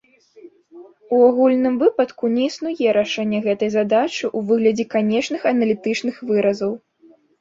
У агульным выпадку не існуе рашэння гэтай задачы ў выглядзе канечных аналітычных выразаў.